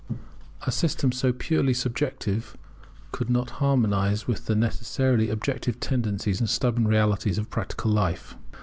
A system so purely subjective could not harmonize with the necessarily objective tendencies and stubborn realities of practical life.